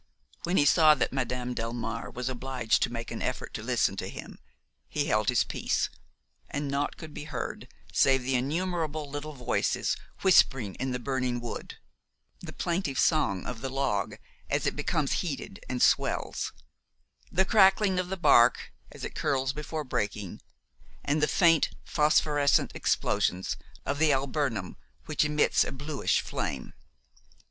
When he saw that Madame Delmare was obliged to make an effort to listen to him, he held his peace, and naught could be heard save the innumerable little voices whispering in the burning wood, the plaintive song of the log as it becomes heated and swells, the crackling of the bark as it curls before breaking, and the faint phosphorescent explosions of the alburnum, which emits a bluish flame.